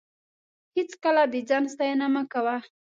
هېڅکله د ځان ستاینه مه کوه.